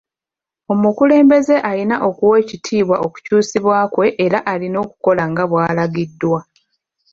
Omukulembeze alina okuwa ekitiibwa okukyusibwa kwe era alina okukola nga bw'alagiddwa.